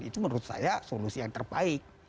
itu menurut saya solusi yang terbaik